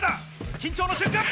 緊張の瞬間！